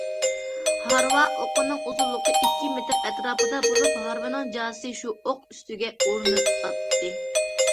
ھارۋا ئوقىنىڭ ئۇزۇنلۇقى ئىككى مېتىر ئەتراپىدا بولۇپ، ھارۋىنىڭ جازىسى شۇ ئوق ئۈستىگە ئورنىتىلاتتى.